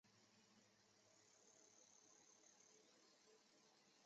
披针叶萼距花为千屈菜科萼距花属下的一个种。